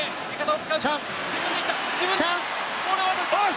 ボールを渡した。